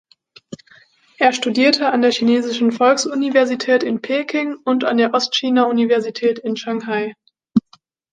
Er studierte an der Chinesischen Volksuniversität in Peking und an der Ostchina-Universität in Shanghai.